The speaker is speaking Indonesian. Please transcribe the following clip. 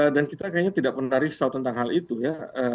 dan kita kayaknya tidak pernah risau tentang hal itu ya